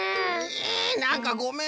えなんかごめん。